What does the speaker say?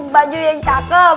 baju yang cakep